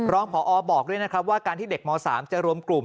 รองพอบอกด้วยนะครับว่าการที่เด็กม๓จะรวมกลุ่ม